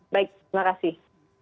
baik terima kasih